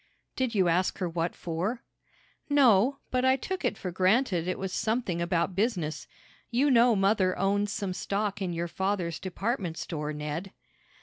"Did you ask her what for?" "No, but I took it for granted it was something about business. You know mother owns some stock in your father's department store, Ned."